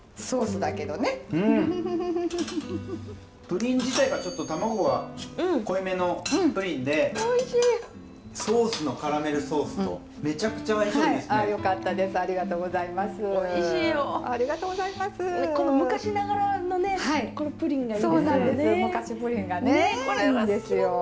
そうなんですよ